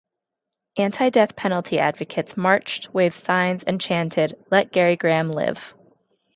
Anti-death penalty advocates marched, waved signs and chanted, Let Gary Graham live!